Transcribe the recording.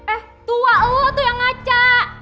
eh tua oh tuh yang ngaca